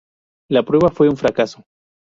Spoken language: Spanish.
La prueba fue un fracaso.